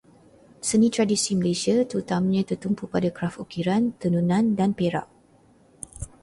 Seni tradisi Malaysia terutamanya tertumpu pada kraf ukiran, tenunan, dan perak.